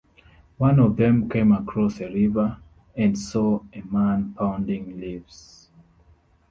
One of them came across a river and saw a man pounding leaves.